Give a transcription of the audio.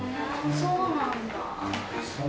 そうなんだよ。